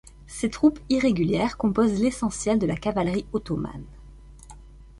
Ces troupes irrégulières composent l'essentiel de la cavalerie ottomane.